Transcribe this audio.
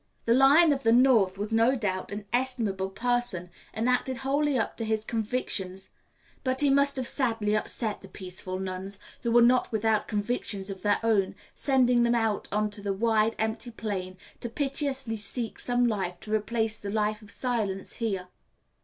The Lion of the North was no doubt an estimable person and acted wholly up to his convictions, but he must have sadly upset the peaceful nuns, who were not without convictions of their own, sending them out on to the wide, empty plain to piteously seek some life to replace the life of silence here.